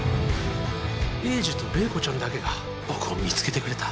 栄治と麗子ちゃんだけが僕を見つけてくれた。